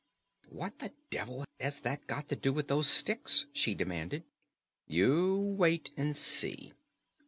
"What the devil has that got to do with those sticks?" she demanded. "You wait and see."